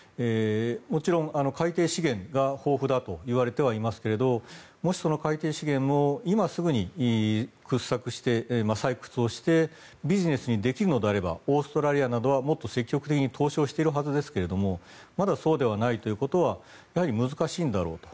もちろん海底資源が豊富だとは言われていますがもしその海底資源も今すぐに掘削して、採掘をしてビジネスにできるのであればオーストラリアなどはもっと積極的に投資をしているはずですけどまだそうではないということはやはり難しいんだろうと。